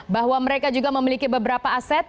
bahwa mereka juga memiliki beberapa aset